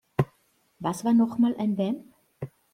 Was war nochmal ein Vamp?